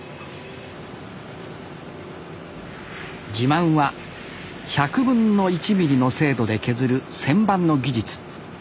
自慢は１００分の１ミリの精度で削る旋盤の技術。